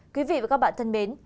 quý vị và các bạn thân mến